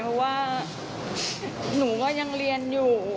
เพราะว่าหนูก็ยังเรียนอยู่